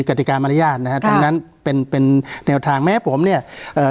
กติกามารยาทนะฮะทั้งนั้นเป็นเป็นแนวทางแม้ผมเนี่ยเอ่อ